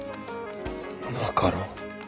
なかろう。